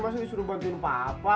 masih disuruh bantuin papa